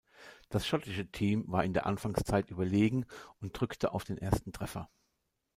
Das schottische Team war in der Anfangszeit überlegen und drückte auf den ersten Treffer.